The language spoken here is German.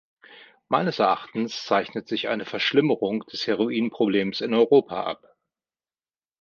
Meines Erachtens zeichnet sich eine Verschlimmerung des Heroinproblems in Europa ab.